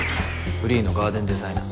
フリーのガーデンデザイナー。